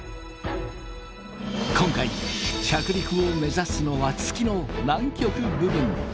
今回着陸を目指すのは月の南極部分。